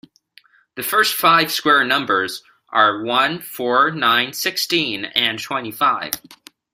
The first five square numbers are one, four, nine, sixteen and twenty-five